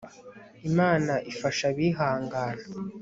imana ifasha abihangana